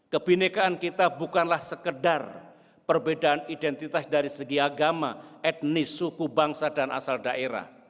kebenekaan kita bukanlah sekedar perbedaan identitas dari segi agama etnis suku bangsa dan asal daerah